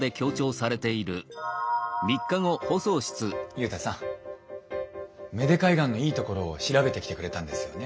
ユウタさん芽出海岸のいいところを調べてきてくれたんですよね。